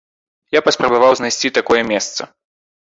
Я паспрабаваў знайсці такое месца.